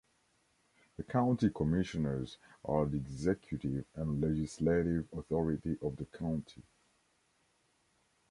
The County Commissioners are the executive and legislative authority of the county.